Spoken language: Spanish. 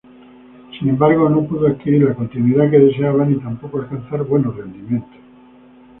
Sin embargo, no pudo adquirir la continuidad que deseaba ni tampoco alcanzar buenos rendimientos.